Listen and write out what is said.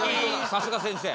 さすが先生。